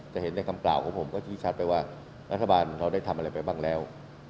จะเห็นในคำกล่าวของผมก็ชี้ชัดไปว่ารัฐบาลเราได้ทำอะไรไปบ้างแล้ว